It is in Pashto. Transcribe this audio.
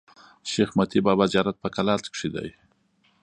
شېخ متي بابا زیارت په کلات کښي دﺉ.